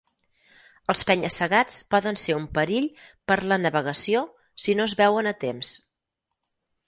Els penya-segats poden ser un perill per la navegació si no es veuen a temps.